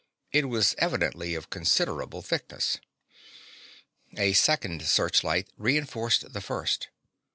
It was evidently of considerable thickness. A second searchlight reënforced the first.